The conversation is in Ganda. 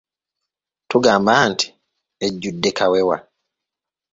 Tugamba nti ejjudde kawewa.